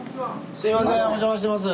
すいませんお邪魔します。